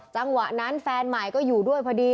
จังหวะนั้นแฟนใหม่ก็อยู่ด้วยพอดี